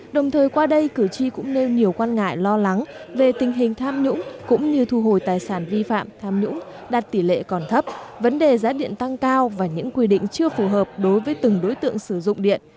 đồng thời qua đây cử tri cũng nêu nhiều quan ngại lo lắng về tình hình tham nhũng cũng như thu hồi tài sản vi phạm tham nhũng đạt tỷ lệ còn thấp vấn đề giá điện tăng cao và những quy định chưa phù hợp đối với từng đối tượng sử dụng điện